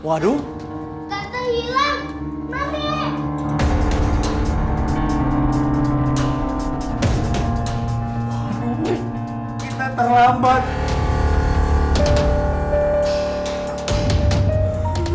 aduh kita terlambat